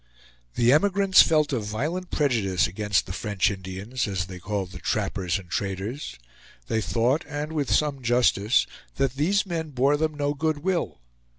The emigrants felt a violent prejudice against the French Indians, as they called the trappers and traders. They thought, and with some justice, that these men bore them no good will.